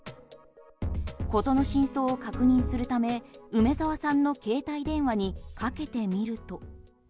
事の真相を確認するため梅澤さんの携帯電話にかけてみると。